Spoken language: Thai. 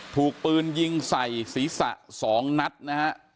ถูกปืนยิงใส่ศีรษะ๒นัดนะฮะ